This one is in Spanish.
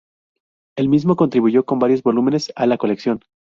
Él mismo contribuyó con varios volúmenes a la colección.